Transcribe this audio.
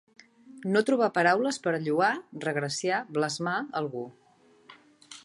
No trobar paraules per a lloar, regraciar, blasmar, algú.